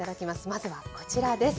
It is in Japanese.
まずはこちらです。